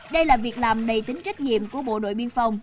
đây là việc làm đầy tính trách nhiệm của bộ đội biên phòng